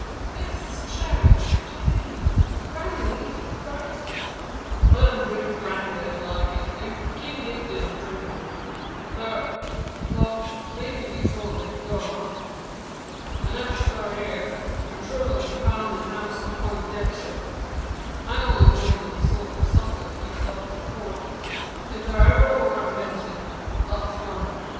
"Yes. Some sherry champagne brandy if you prefer it." "Let them drink brandy as like it, and kin' git it drinkable. Thur may be some o' it good enuf; an ef thur air, I'm shor it'll be foun' in the house o' a Peintdexter. I only knows o' the sort the sutler keeps up at the Fort. Ef thur ever wur a medicine, thet's one.